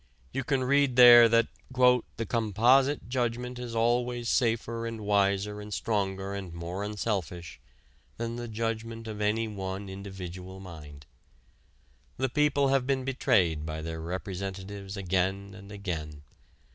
You can read there that "the composite judgment is always safer and wiser and stronger and more unselfish than the judgment of any one individual mind. The people have been betrayed by their representatives again and again.